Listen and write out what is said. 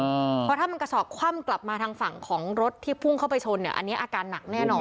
เพราะถ้ามันกระสอบคว่ำกลับมาทางฝั่งของรถที่พุ่งเข้าไปชนเนี่ยอันนี้อาการหนักแน่นอน